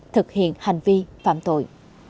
thực hiện hành vi phạm tội